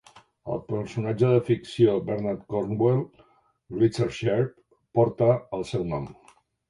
El personatge de ficció de Bernard Cornwell, Richard Sharpe, porta el seu nom.